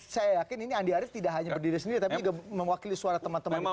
saya yakin ini andi arief tidak hanya berdiri sendiri tapi juga mewakili suara teman teman itu